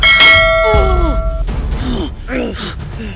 aku yang moeta